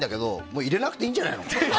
入れなくていいんじゃない？